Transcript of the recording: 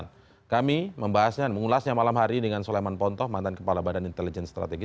nah kami membahasnya mengulasnya malam hari dengan soleman pontoh mantan kepala badan intelijen strategi